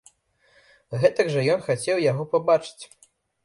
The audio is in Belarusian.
Гэтак жа ён хацеў яго пабачыць!